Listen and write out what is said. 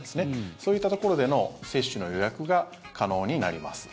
そういったところでの接種の予約が可能になります。